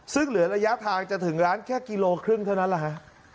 ซึ่งเหลือระยะทางจะถึงร้านแค่กิโลครึ่งเท่านั้นแหละฮะ